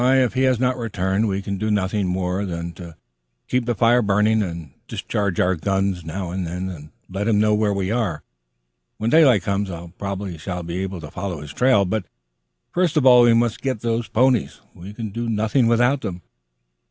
"If he has not returned, we can do nothing more than to keep the fire burning and discharge our guns now and then to let him know where we are. When daylight comes, I probably shall be able to follow his trail. But first of all we must get the ponies. We can do nothing without them."